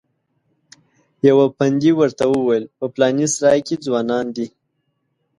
یوه پندي ورته وویل په پلانې سرای کې ځوانان دي.